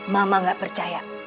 mama gak percaya